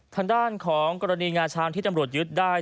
ทางด้านของกรณีงาช้างที่ตำรวจยึดได้